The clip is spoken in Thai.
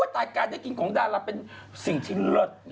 ตายการได้กินของดาราเป็นสิ่งที่เลิศ